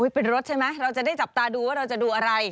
เป็นรถใช่ไหมเราจะได้จับตาดูว่าเราจะดูอะไร